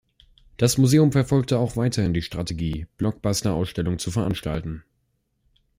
Das Museum verfolgte auch weiterhin die Strategie, Blockbuster-Ausstellungen zu veranstalten.